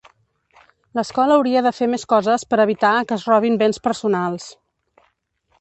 L'escola hauria de fer més coses per evitar que es robin béns personals.